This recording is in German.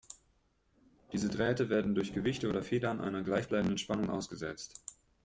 Diese Drähte werden durch Gewichte oder Federn einer gleichbleibenden Spannung ausgesetzt.